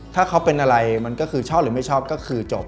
ถ้าเขาเป็นอะไรมันก็คือชอบหรือไม่ชอบก็คือจบ